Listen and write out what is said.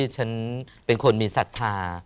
ฉันเป็นคนมีศักดิ์ภาพ